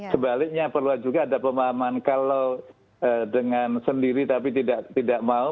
sebaliknya perlu juga ada pemahaman kalau dengan sendiri tapi tidak mau